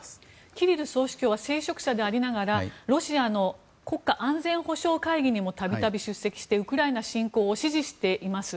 キリル総主教は聖職者でありながらロシアの国家安全保障会議にも度々出席してウクライナ侵攻を支持しています。